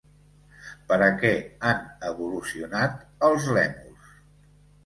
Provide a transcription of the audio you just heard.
Per a què han evolucionat els lèmurs?